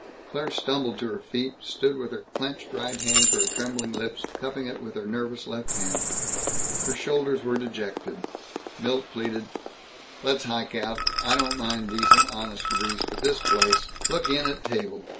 Claire stumbled to her feet, stood with her clenched right hand to her trembling lips, cupping it with her nervous left hand. Her shoulders were dejected. Milt pleaded, "Let's hike out. I don't mind decent honest grease, but this place look in at table!